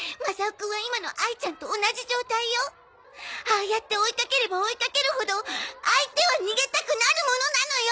ああやって追いかければ追いかけるほど相手は逃げたくなるものなのよ！